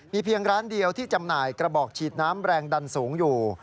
เพียงร้านเดียวที่จำหน่ายกระบอกฉีดน้ำแรงดันสูงอยู่